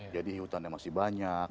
jadi hutan yang masih banyak